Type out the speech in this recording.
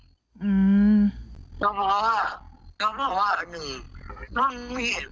ก็เพราะว่าหนูรุ่นพี่